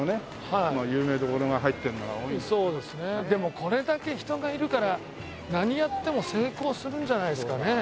でもこれだけ人がいるから何やっても成功するんじゃないですかね。